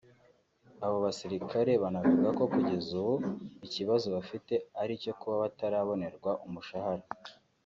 Abo basirikare banavuze ko kugeza ubu ikibazo bafite ari icyo kuba batarabonerwa umushahara